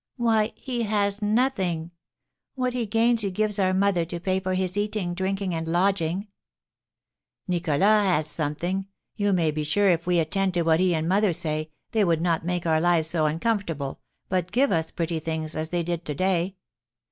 "Why, he has nothing. What he gains he gives our mother to pay for his eating, drinking, and lodging." "Nicholas has something. You may be sure if we attend to what he and mother say, they would not make our lives so uncomfortable, but give us pretty things, as they did to day.